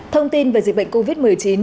thông tin về dịch bệnh covid một mươi chín